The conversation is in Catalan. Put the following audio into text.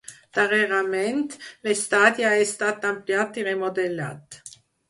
Darrerament l'estadi ha estat ampliat i remodelat.